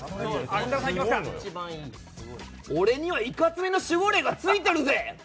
俺にはいかつめの守護霊がついてるぜ。